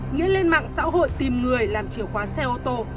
nghĩa lên mạng xã hội tìm người làm chìa khóa xe ô tô